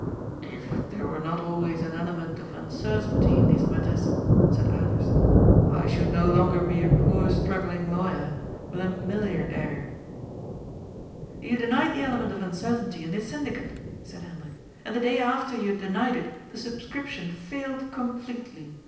^' If there were not always an element of uncertainty in these matters," said Alers, ^' I should no longer be a poor struggling lawyer, but a milliardairey ^ You denied the element of uncertainty in the syndi cate," said Hendrik, *' and the day after you had denied it, the subscription failed completely.